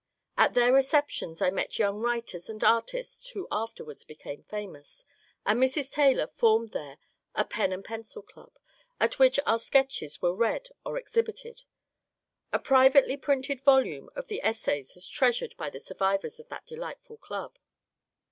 At their receptions I met young writers and artists who afterwards became famous, and Mrs. Taylor formed there a ^^ Pen and Pencil Club " at which our sketches were read or exhibited. A privately printed volume of the essays is treasured by the survivors of that delightful club.